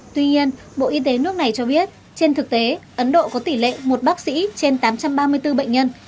tuy nhiên bộ y tế nước này cho biết trên thực tế ấn độ có tỷ lệ một bác sĩ trên tám trăm ba mươi bốn bệnh nhân